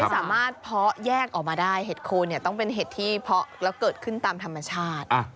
สามารถเพาะแยกออกมาได้เห็ดโคนเนี่ยต้องเป็นเห็ดที่เพาะแล้วเกิดขึ้นตามธรรมชาติ